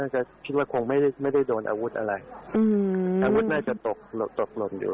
ก็คิดว่าคงไม่ได้โดนอาวุธอะไรอาวุธน่าจะตกตกหล่นอยู่